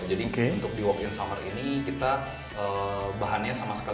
jadi untuk di walk in summer ini kita bahannya sama sekali